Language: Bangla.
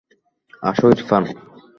আসো, ইরফান।